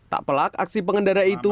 tak pelak aksi pengendara itu